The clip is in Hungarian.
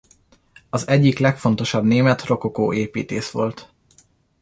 Az egyik legfontosabb német rokokó építész volt.